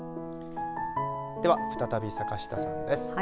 では、再び坂下さんです。